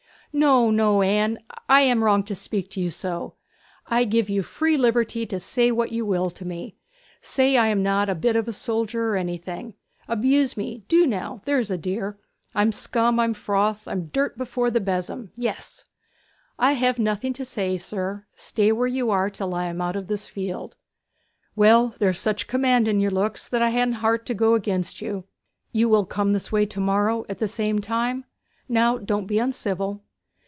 'No, no, Anne; I am wrong to speak to you so. I give you free liberty to say what you will to me. Say I am not a bit of a soldier, or anything! Abuse me do now, there's a dear. I'm scum, I'm froth, I'm dirt before the besom yes!' 'I have nothing to say, sir. Stay where you are till I am out of this field.' 'Well, there's such command in your looks that I ha'n't heart to go against you. You will come this way to morrow at the same time? Now, don't be uncivil.'